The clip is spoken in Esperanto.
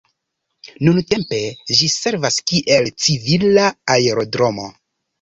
Nuntempe ĝi servas kiel civila aerodromo.